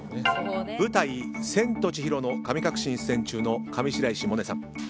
舞台「千と千尋の神隠し」に出演中の上白石萌音さん。